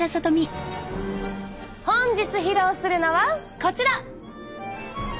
本日披露するのはこちら！